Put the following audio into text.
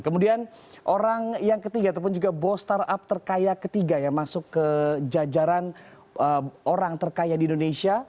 kemudian orang yang ketiga ataupun juga bos startup terkaya ketiga yang masuk ke jajaran orang terkaya di indonesia